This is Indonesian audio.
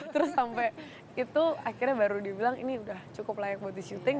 terus sampai itu akhirnya baru dia bilang ini udah cukup layak buat di shooting